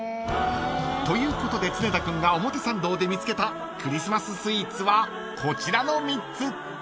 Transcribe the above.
ということで常田君が表参道で見つけたクリスマス・スイーツはこちらの３つ］